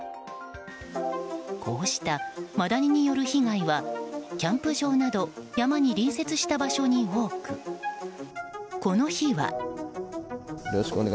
こうしたマダニによる被害はキャンプ場など山に隣接した場所に多くこの日は。